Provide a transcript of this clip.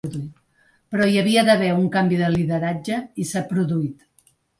Però hi havia d’haver un canvi de lideratge, i s’ha produït.